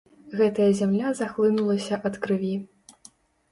Гэтая зямля захлынулася ад крыві.